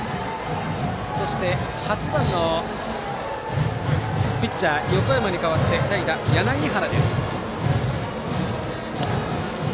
そして８番のピッチャー横山に代わって代打、柳原です。